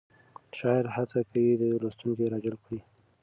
شاعر هڅه کوي لوستونکی راجلب کړي.